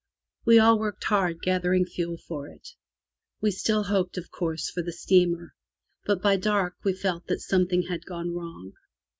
We all worked hard gathering fuel for it. We still hoped, of course, for the steamer, but by dark we felt that something had gone wrong.